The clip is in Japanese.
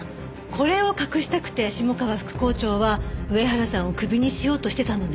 これを隠したくて下川副校長は上原さんをクビにしようとしてたのね。